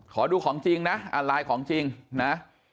ขอดูของจริงนะอ่านไลน์ของจริงนะ